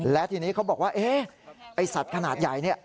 และทีนี้เขาบอกว่าไอ้สัตว์ขนาดใหญ่นี่